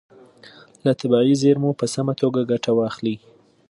له طبیعي زیرمو په سمه توګه ګټه واخلئ.